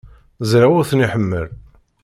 Ẓriɣ ur ten-iḥemmel.